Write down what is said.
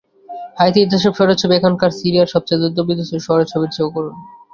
হাইতির সেসব শহরের ছবি এখনকার সিরিয়ার সবচেয়ে যুদ্ধবিধ্বস্ত শহরের ছবির চেয়েও করুণ।